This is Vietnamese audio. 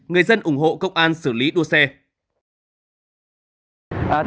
người dân ủng hộ công an xử lý đua xe